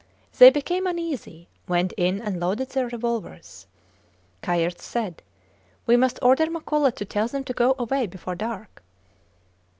They became uneasy, went in and loaded their revolvers. Kayerts said, We must order Makola to tell them to go away before dark.